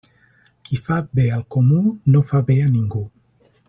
Qui fa bé al comú no fa bé a ningú.